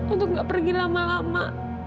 untuk gak pergi lama lama